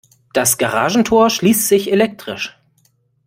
Das Garagentor schließt sich elektrisch.